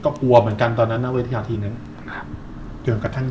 ก็กลัวเหมือนกันตอนนั้น